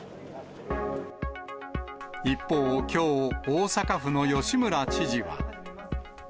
一方、きょう、大阪府の吉村知事は。